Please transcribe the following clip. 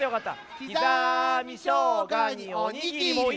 「きざみしょうがにおにぎり」。